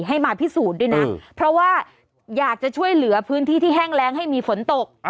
ให้มาพิสูจน์ด้วยนะเพราะว่าอยากจะช่วยเหลือพื้นที่ที่แห้งแรงให้มีฝนตก